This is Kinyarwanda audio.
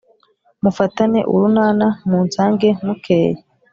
mufatane urunana munsange mukeye